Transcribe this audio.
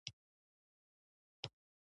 هر شاعر چاربیتې ته نه وي جوړسوی.